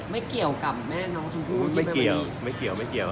ไม่เกี่ยวกับแม่น้องชูพูไม่เกี่ยวไม่เกี่ยว